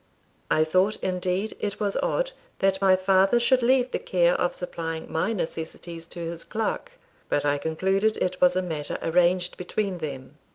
I thought, indeed, it was odd that my father should leave the care of supplying my necessities to his clerk; but I concluded it was a matter arranged between them.